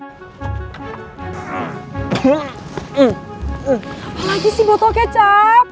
apa lagi sih botol kecap